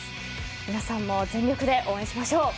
皆さんも全力で応援しましょう。